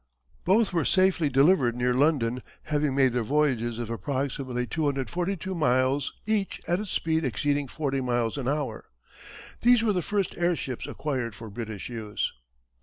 Both were safely delivered near London having made their voyages of approximately 242 miles each at a speed exceeding forty miles an hour. These were the first airships acquired for British use.